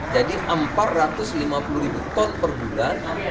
jadi empat ratus lima puluh ribu ton per bulan